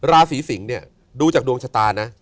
ราศีสิงศ์เนี่ยดูจากดวงชะตานะ